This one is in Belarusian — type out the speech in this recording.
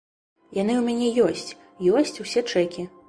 Яны ў мяне ёсць, ёсць усе чэкі.